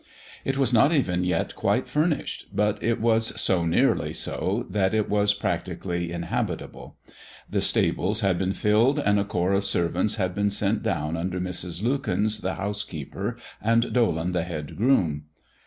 It was not even yet quite furnished, but it was so nearly so that it was practically inhabitable. The stables had been filled, and a corps of servants had been sent down under Mrs. Lukens the housekeeper and Dolan the head groom.